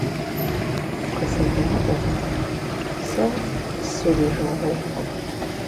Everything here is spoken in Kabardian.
Къызэдаӏуэ, сэ сурижагъуэгъукъым.